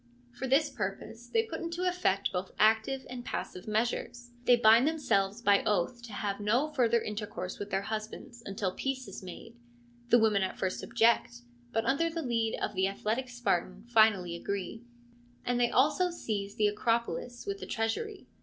For this purpose they put into effect both active and passive measures : they bind themselves by oath to have no further intercourse with their husbands until peace is made (the women at first object, but under the lead of the athletic Spartan finally agree), and they also seize the Acropolis with the treasury.